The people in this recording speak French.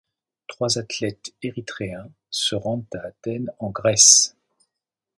Trois athlètes érythréens se rendent à Athènes en Grèce.